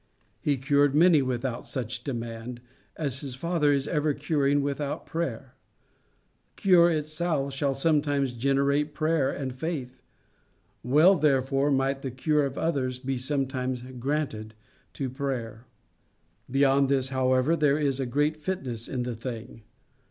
He cured many without such demand, as his Father is ever curing without prayer. Cure itself shall sometimes generate prayer and faith. Well, therefore, might the cure of others be sometimes granted to prayer. Beyond this, however, there is a great fitness in the thing.